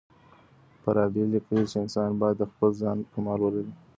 فارابي ليکي چي انسان بايد د خپل ځان کمال ولري.